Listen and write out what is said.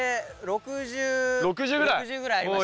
６０ぐらいありましたね。